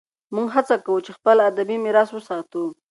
موږ هڅه کوو چې خپل ادبي میراث وساتو.